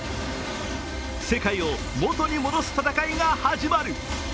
世界を元に戻す戦いが始まる。